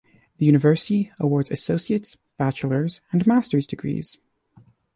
The university awards associate's, bachelor's, and master's degrees.